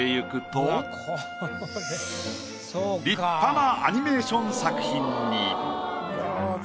立派なアニメーション作品に。